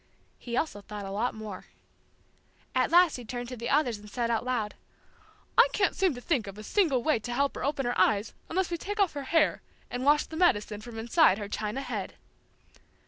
He also thought a lot more. At last he turned to the others and said out loud, "I can't seem to think of a single way to help her open her eyes unless we take off her hair and wash the medicine from inside her china head."